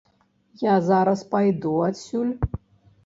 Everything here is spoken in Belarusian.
Я зараз пайду адсюль.